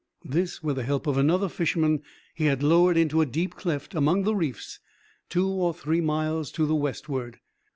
This, with the help of another fisherman, he had lowered into a deep cleft among the reefs two or three miles to the westward.